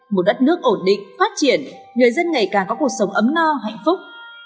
một đất nước ổn định phát triển người dân ngày càng có cuộc sống ấm no hạnh phúc